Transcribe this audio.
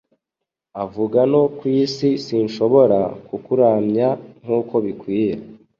avugano kwisi sinshobora kukuramya nkuko bikwiye